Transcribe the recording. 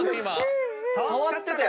触ってたよね。